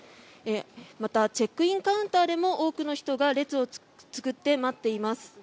またチェックインカウンターでも多くの人が列を作って待っています。